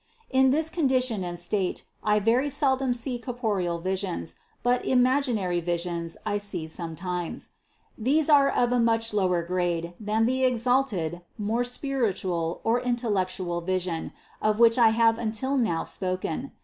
25. In this condition and state I very seldom see corporeal visions, but imaginary visions I see sometimes; these are of a much lower grade than the exalted, more spiritual, or intellectual vision, of which I have until now spoken.